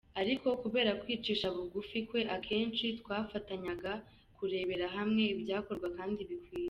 Ariko kubera kwicisha bugufi kwe, akenshi twafatanyaga kurebera hamwe ibyakorwa kandi bikwiye”.